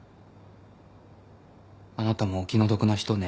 「あなたもお気の毒な人ね」